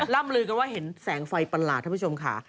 ล่ำลือกันว่าเห็นแสงไฟประหลาดท่านผู้ชมค่ะ